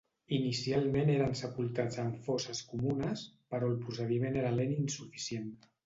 Inicialment eren sepultats en fosses comunes, però el procediment era lent i insuficient.